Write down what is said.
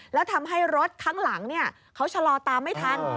แล้วทำให้รถข้างหลังเขาชะลอตามไม่ทัน